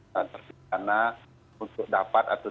karena dapat atau